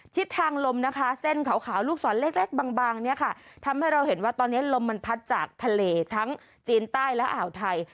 ทิศทางลมนะคะเส้นขาวลูกศรเล็กบางเนี่ยค่ะทำให้เราเห็นว่าตอนนี้ลมมันพัดจากทะเลทั้งจีนใต้และอ่าวไทย